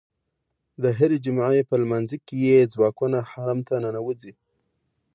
د هرې جمعې په لمانځه کې یې ځواکونه حرم ته ننوځي.